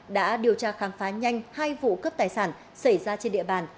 đã điều tra khám phá nhanh hai vụ cướp tài sản xảy ra trên địa bàn